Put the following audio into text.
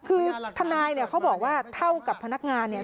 คือทนายเนี่ยเขาบอกว่าเท่ากับพนักงานเนี่ย